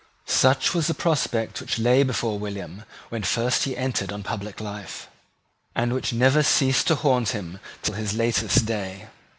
Such was the prospect which lay before William when first he entered on public life, and which never ceased to haunt him till his latest day.